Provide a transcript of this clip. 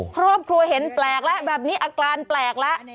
ครอบครัวเห็นแปลกแล้วแบบนี้อาการแปลกแล้ว